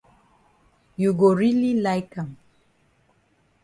You go really like am